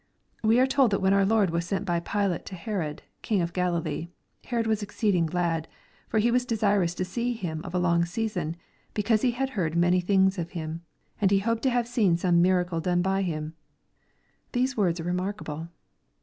We are told that when our Lord was sent by Pilate to Herod, king of Galilee, " Herod was exceeding glad ; for he was desirous to see him of a long season, because he had heard many things of him ; and he hoped to have seen some miracles done by him." These words are remarkable.